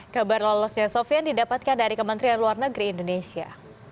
kabar lolosnya sofian didapatkan dari kementerian luar negeri indonesia